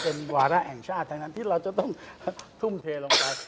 เป็นวาระแห่งชาติทั้งนั้นที่เราจะต้องทุ่มเทลงไป